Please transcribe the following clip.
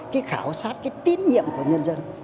cái khảo sát cái tiết nhiệm của nhân dân